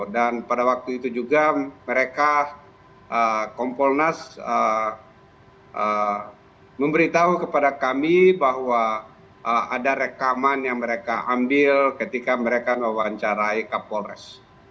dan pada waktu itu juga mereka kompolnas memberitahu kepada kami bahwa ada rekaman yang mereka ambil ketika mereka mewawancarai ke polres